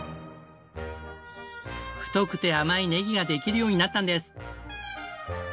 太くて甘いねぎができるようになったんです。